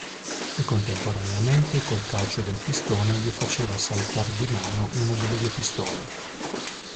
E contemporaneamente col calcio del pistone gli faceva saltar di mano una delle due pistole.